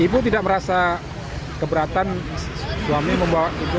ibu tidak merasa keberatan suami membawa ibu